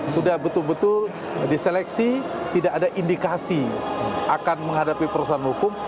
sudah betul betul diseleksi tidak ada indikasi akan menghadapi perusahaan hukum